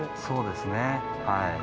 そうですねはい。